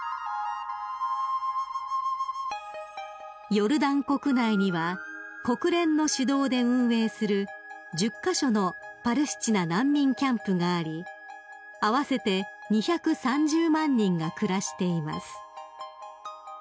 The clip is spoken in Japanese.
［ヨルダン国内には国連の主導で運営する１０カ所のパレスチナ難民キャンプがあり合わせて２３０万人が暮らしています］